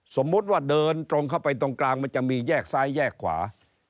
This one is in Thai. สมมุติว่าเดินตรงเข้าไปตรงกลางมันจะมีแยกซ้ายแยกขวา